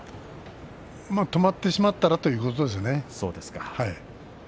まあ、止まってしまったらということですよね。